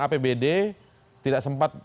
apbd tidak sempat